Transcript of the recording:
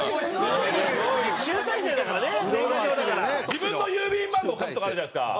自分の郵便番号書くとこあるじゃないですか。